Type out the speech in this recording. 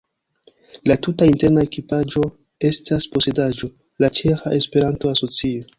La tuta interna ekipaĵo estas posedaĵo de Ĉeĥa Esperanto-Asocio.